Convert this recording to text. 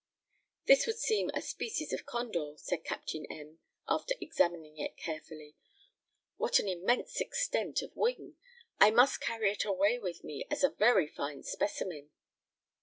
"This would seem a species of condor," said Captain M , after examining it carefully. "What an immense extent of wing! I must carry it away with me as a very fine specimen."